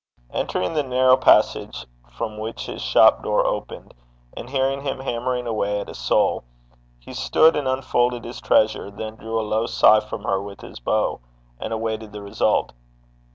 Entering the narrow passage from which his shop door opened, and hearing him hammering away at a sole, he stood and unfolded his treasure, then drew a low sigh from her with his bow, and awaited the result.